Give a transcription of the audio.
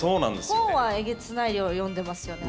本はえげつない量読んでますよね。